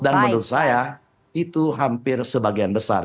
dan menurut saya itu hampir sebagian besar